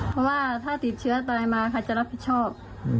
เพราะว่าถ้าติดเชื้อตายมาค่ะจะรับผิดชอบ